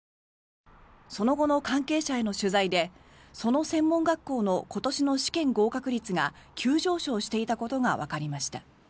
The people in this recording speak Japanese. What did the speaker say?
その後の関係者への取材でその専門学校の今年の試験合格率が急上昇していたことがわかりました。